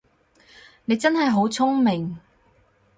你真係好聰明